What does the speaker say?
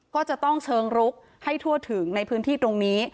ก็จะต้องเชิงลุกให้ทั่วถึงในพื้นที่ตรงนี้